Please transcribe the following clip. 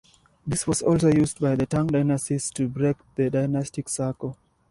This was also used by the Tang dynasties to break the dynastic cycle.